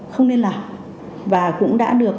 không nên làm và cũng đã được